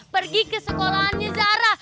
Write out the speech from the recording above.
pergi ke sekolahannya zara